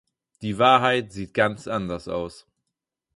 Die Wahrheit sieht ganz anders aus.